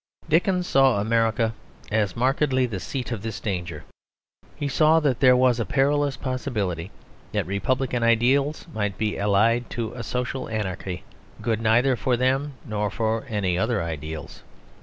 Dickens saw America as markedly the seat of this danger. He saw that there was a perilous possibility that republican ideals might be allied to a social anarchy good neither for them nor for any other ideals.